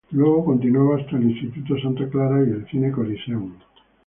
Luego, continuaba hasta el Instituto Santa Clara y el Cine Coliseum.